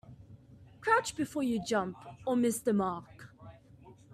Crouch before you jump or miss the mark.